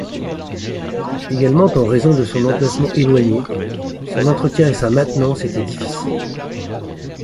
Également en raison de son emplacement éloigné, son entretien et sa maintenance étaient difficiles.